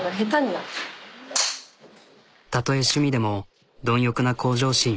たとえ趣味でも貪欲な向上心。